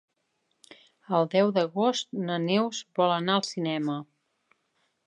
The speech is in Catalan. El deu d'agost na Neus vol anar al cinema.